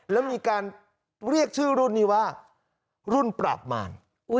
แล้วมีการเรียกชื่อรุ่นนี้ว่ารุ่นปราบมาร